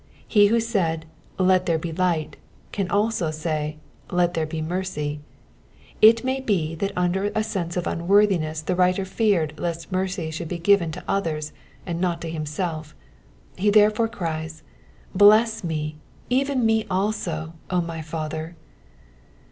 He who said, " Let there be light," can also say, Let there be mercy." It may be that under a sense of unworthiness the writer feared lest mercy should be given to others, and not to himself ; he therefore cries, Bless me, even me also, O my Father."